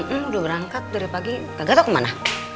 udah berangkat dari pagi gak tau kemana